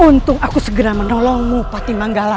untung aku segera menolongmu pati manggala